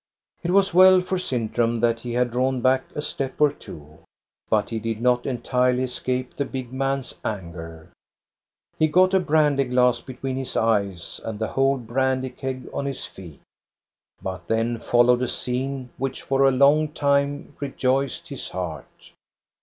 It was well for Sintram that he had drawn back a step or two, but he did not entirely escape the big man's anger. He got a brandy glass between his eyes and the whole brandy keg on his feet. But then followed a scene which for a long time rejoiced his heart.